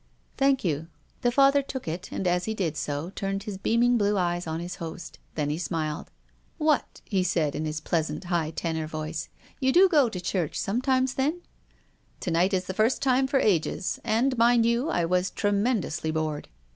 " Thank you." The Father took it, and, as he did so, turned his beaming blue eyes on his host. Then he smiled. " What !" he said, in his pleasant, light tenor voice. " You do go to church sometimes, then ?"" To night is the first time for ages. And, mind you, I was tremendously bored."